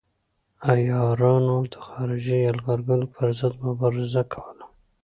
عیارانو د خارجي یرغلګرو پر ضد مبارزه کوله.